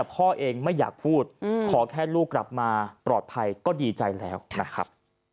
พ่อเองไม่อยากพูดขอแค่ลูกกลับมาปลอดภัยก็ดีใจแล้วนะครับ